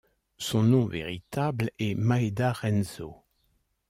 Son nom véritable est Maeda Renzō.